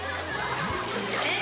えっ？